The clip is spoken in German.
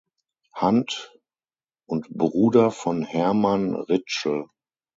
Hand, und Bruder von Hermann Rietschel.